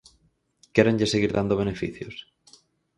¿Quérenlle seguir dando beneficios?